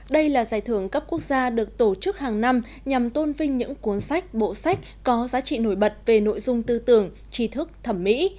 đây là giải thưởng cấp quốc gia được tổ chức hàng năm nhằm tôn vinh những cuốn sách bộ sách có giá trị nổi bật về nội dung tư tưởng trí thức thẩm mỹ